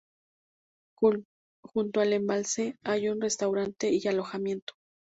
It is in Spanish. Junto al embalse hay un restaurante y alojamiento.